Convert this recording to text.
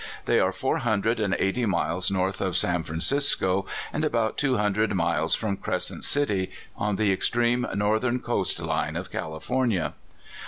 They are four hundred and eighty miles north of San Francisco, and about two hundred miles from Crescent City, on the extreme northern coast line of California.